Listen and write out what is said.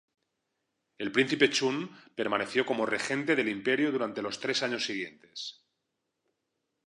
El príncipe Chun permaneció como regente del imperio durante los tres años siguientes.